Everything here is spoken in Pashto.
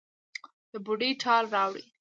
د بوډۍ ټال راوړي